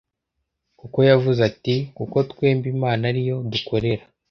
kuko yavuze ati: “kuko twembi Imana ari yo dukorera.”